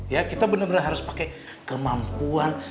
ya kita bener bener harus pakai kemampuan